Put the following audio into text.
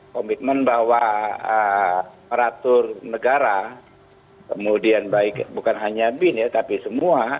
komitmen bahwa peratur negara kemudian baik bukan hanya bin ya tapi semua